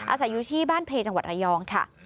อาศัยอยู่ที่บ้านเพจังหวัดระยองค่ะ